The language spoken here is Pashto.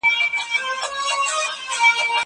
زه بايد سندري واورم!!